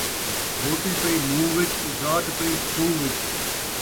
روٹی پئی مون٘ہہ وِچ ، ذات پئی کھوہ وِچ